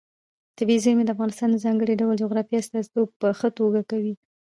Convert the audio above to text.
طبیعي زیرمې د افغانستان د ځانګړي ډول جغرافیې استازیتوب په ښه توګه کوي.